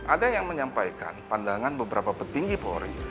ada yang menyampaikan pandangan beberapa petinggi polri